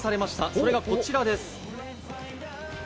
それがこちらです。